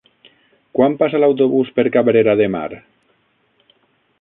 Quan passa l'autobús per Cabrera de Mar?